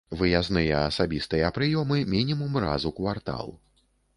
Выязныя асабістыя прыёмы мінімум раз у квартал.